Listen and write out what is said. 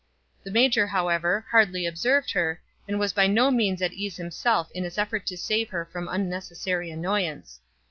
The major, however, hardly observed her, and was by no means at ease himself in his effort to save her from unnecessary annoyance.